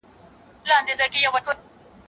هغه خندا نه هېروله.